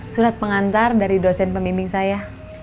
surat pengantar dari dosen pemimpin saya